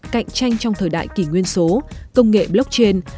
cạnh tranh trong thời đại kỷ nguyên số công nghệ blockchain